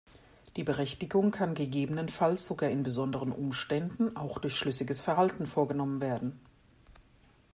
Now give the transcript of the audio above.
Die Berichtigung kann gegebenenfalls sogar in besonderen Umständen auch durch schlüssiges Verhalten vorgenommen werden.